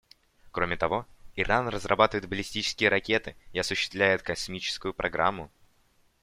Кроме того, Иран разрабатывает баллистические ракеты и осуществляет космическую программу.